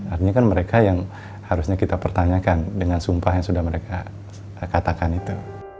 artinya kan mereka yang harusnya kita pertanyakan dengan sumpah yang sudah mereka katakan itu